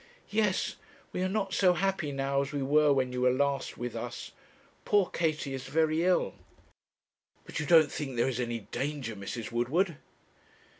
'Yes, we are not so happy now as we were when you were last with us. Poor Katie is very ill.' 'But you don't think there is any danger, Mrs. Woodward?'